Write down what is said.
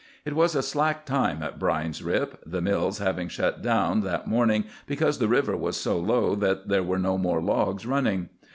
It was a slack time at Brine's Rip, the mills having shut down that morning because the river was so low that there were no more logs running.